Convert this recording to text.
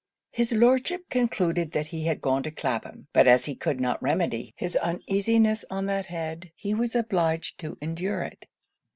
His Lordship concluded he was gone to Clapham; but as he could not remedy his uneasiness on that head, he was obliged to endure it.